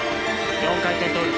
４回転トゥループ。